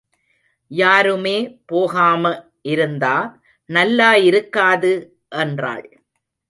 யாருமே போகாம இருந்தா நல்லா இருக்காது, என்றாள்.